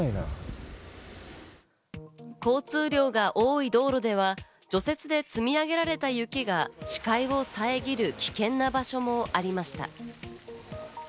交通量が多い道路では除雪で積み上げられた雪が、視界を遮る危険な場所もありました。